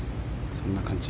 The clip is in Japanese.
そんな感じ。